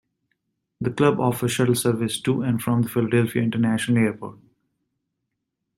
The club offers shuttle service to and from the Philadelphia International Airport.